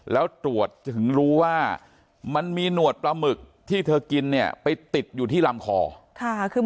แล้วตรวจถึงรู้ว่ามันมีหนวดปลาหมึกที่เธอกินเนี่ยไปติดอยู่ที่ลำคอค่ะ